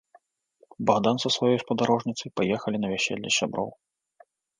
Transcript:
Багдан са сваёй спадарожніцай паехалі на вяселле сяброў.